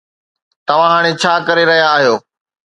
توهان هاڻي ڇا ڪري رهيا آهيو؟